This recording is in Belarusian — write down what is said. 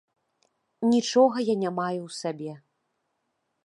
Нічога я не маю ў сабе.